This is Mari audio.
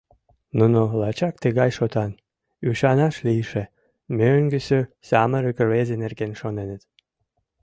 Нуно лачак тыгай шотан, ӱшанаш лийше, «мӧҥгысӧ» самырык рвезе нерген шоненыт.